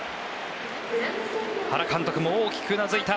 原監督も大きくうなずいた。